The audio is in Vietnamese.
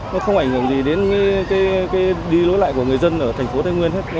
nó không ảnh hưởng gì đến cái đi lối lại của người dân ở thành phố thái nguyên hết